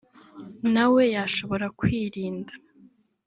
na we yashobora kwirinda”